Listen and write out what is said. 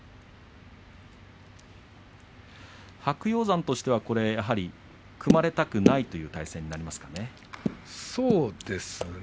白鷹山としては組まれたくないという体勢ですね。